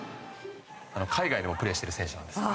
海外でもプレーしている選手なんです。